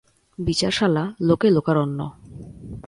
বিচারশালা লোকে লোকারণ্য।